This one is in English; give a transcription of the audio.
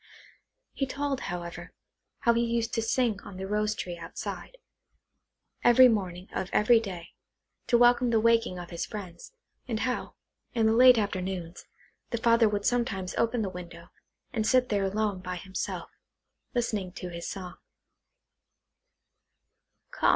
He told, however, how he used to sing on the rose tree outside, every morning of every day, to welcome the waking of his friends, and how, in the late afternoons, the father would sometimes open the window, and sit there alone by himself, listening to his song.